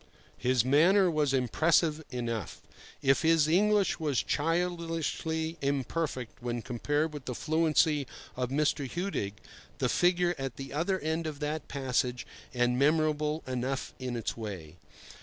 His manner was impressive enough, if his English was childishly imperfect when compared with the fluency of Mr. Hudig, the figure at the other end of that passage, and memorable enough in its way.